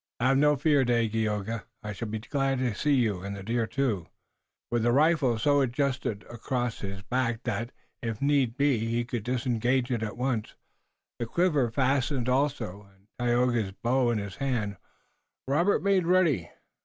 "Have no fear, Dagaeoga. I shall be too glad to see you and the deer to fire." With the rifle so adjusted across his back that, if need be, he could disengage it at once, the quiver fastened also and Tayoga's bow in his hand, Robert made ready.